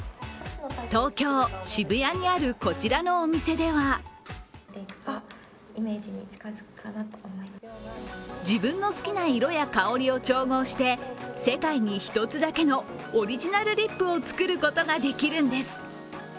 東京・渋谷にあるこちらのお店では自分の好きな色や香りを調合して世界に一つだけのオリジナルリップを作ることができるんです。